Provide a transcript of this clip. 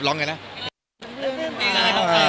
ร้องอย่างนั้นนะ